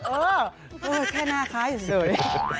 เออแค่หน้าค้าอยู่เฉย